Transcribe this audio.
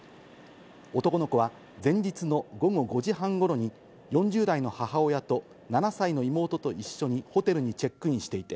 男の子は前日の午後５時半ごろに、４０代の母親と７歳の妹と一緒にホテルにチェックインしていて、